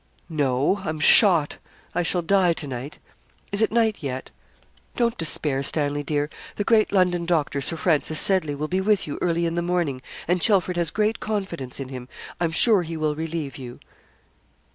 'No. I'm shot. I shall die to night. Is it night yet?' 'Don't despair, Stanley, dear. The great London doctor, Sir Francis Seddley, will be with you early in the morning, and Chelford has great confidence in him. I'm sure he will relieve you.'